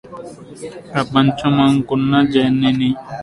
ప్రపంచమునకు జనని